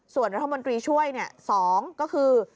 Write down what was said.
ส่วนรัฐมนตรีช่วย๒ก็คือ